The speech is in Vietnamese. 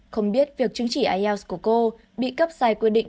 không biết việc chứng chỉ ielts của cô bị cấp sai quy định